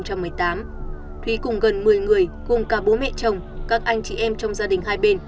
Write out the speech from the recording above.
thúy cùng gần một mươi người cùng cả bố mẹ chồng các anh chị em trong gia đình hai bên